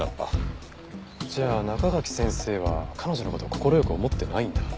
じゃあ中垣先生は彼女の事を快く思ってないんだ。